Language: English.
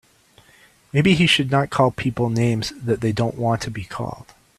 Maybe he should not call people names that they don't want to be called.